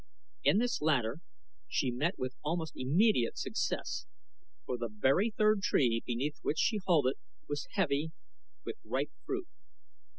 In this latter she met with almost immediate success, for the very third tree beneath which she halted was heavy with ripe fruit.